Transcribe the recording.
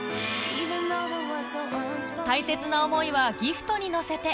大切な思いはギフトに乗せて